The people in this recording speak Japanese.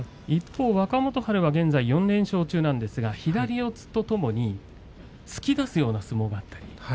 若元春は４連勝中ですが左四つとともに突き出すような相撲があります。